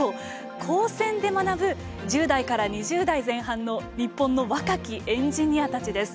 高専で学ぶ１０代から２０代前半の日本の若きエンジニアたちです。